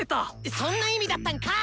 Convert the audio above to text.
そんな意味だったんかい！